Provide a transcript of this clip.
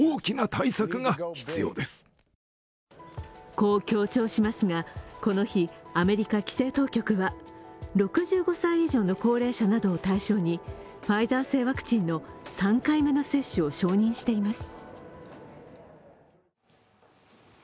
こう強調しますが、この日アメリカ規制当局は６５歳以上の高齢者などを対象にファイザー製ワクチンの３回目の接種を承認しています。